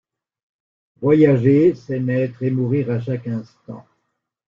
Voyager, c’est naître et mourir à chaque instant.